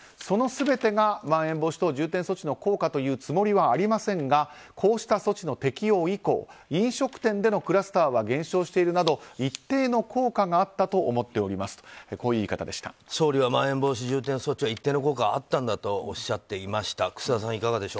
その全てがまん延防止等重点措置の効果というつもりはありませんがこうした措置の適用以降飲食店でのクラスターは減少しているなど一定の効果があったと思っておりますと総理はまん延防止等重点措置は一定の効果があったんだとおっしゃっていました。